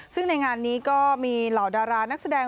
ซึ่งในงานนี้ก็มีเหล่าดารานักแสดง